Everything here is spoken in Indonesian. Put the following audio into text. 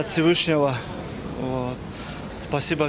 alhamdulillah ini adalah kemenangan dari tuhan